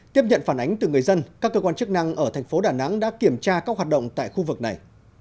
tiếp nhận phản ánh từ người dân các cơ quan chức năng ở thành phố đà nẵng đã kiểm tra các hoạt động tại khu vực này